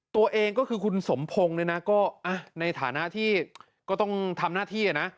ตัวเองก็คือคุณสมพงศ์เนี่ยนะก็ในฐานะที่ก็ต้องทำหน้าที่นะ